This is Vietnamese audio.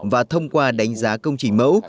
và thông qua đánh giá công trình mẫu